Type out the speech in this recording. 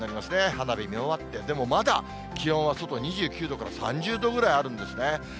花火見終わって、でも、まだ気温は外、２９度から３０度ぐらいあるんですね。